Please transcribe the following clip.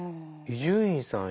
伊集院さん